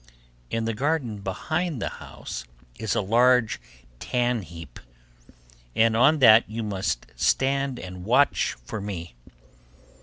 In the garden behind the house is a large tan heap, and on that you must stand and watch for me.